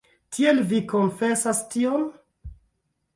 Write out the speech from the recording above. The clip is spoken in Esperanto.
Tiel, vi konfesas tion?